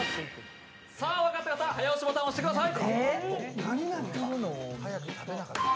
さあ、分かった方、早押しボタンを押してください。